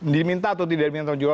diminta atau tidak diminta jual